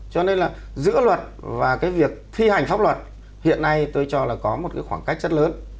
cho nên là giữa luật và cái việc thi hành pháp luật hiện nay tôi cho là có một cái khoảng cách rất lớn